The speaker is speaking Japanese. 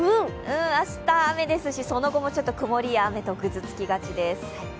明日、雨ですし、その後も曇りや雨とぐずつきがちです。